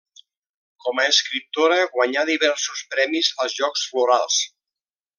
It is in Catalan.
Com a escriptora, guanyà diversos premis als Jocs Florals.